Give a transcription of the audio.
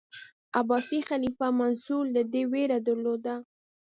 عباسي خلیفه منصور له ده ویره درلوده.